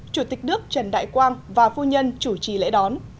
chủ tịch nước trần đại quang và phu nhân chủ trì lễ đón